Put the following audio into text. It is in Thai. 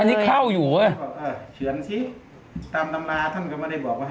อันนี้เข้าอยู่ด้วย